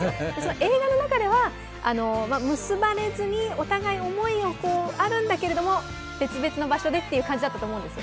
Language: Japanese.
映画の中では結ばれずにお互い思いはあるんだけれども別々の場所でっていう感じだったと思うんですよ。